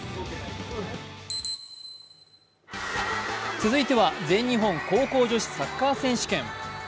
続いては全日本高校女子サッカー選手権。